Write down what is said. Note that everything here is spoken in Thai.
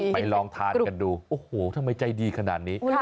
ลองทานกันดูโอ้โหทำไมใจดีขนาดนี้